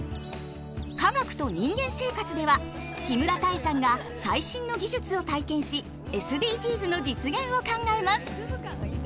「科学と人間生活」では木村多江さんが最新の技術を体験しＳＤＧｓの実現を考えます。